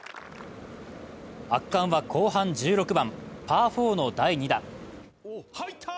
圧巻は後半１６番パー４の第２打。